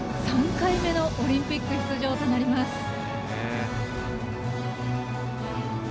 ３回目のオリンピック出場となります。